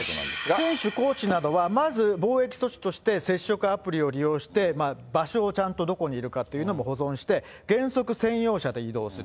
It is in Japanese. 選手、コーチなどは、まず防疫措置として接触アプリを利用して、場所をちゃんとどこにいるかというのも保存して、原則、専用車で移動する。